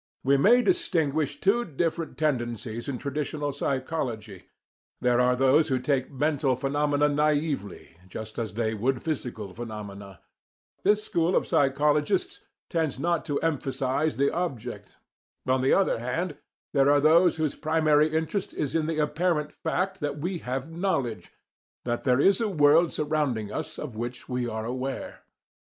We may distinguish two different tendencies in traditional psychology. There are those who take mental phenomena naively, just as they would physical phenomena. This school of psychologists tends not to emphasize the object. On the other hand, there are those whose primary interest is in the apparent fact that we have KNOWLEDGE, that there is a world surrounding us of which we are aware.